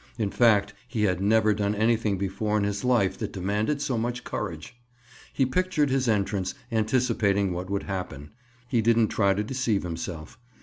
In fact, he had never done anything before in his life that demanded so much courage. He pictured his entrance, anticipating what would happen; he didn't try to deceive himself.